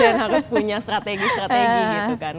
dan harus punya strategi strategi gitu kan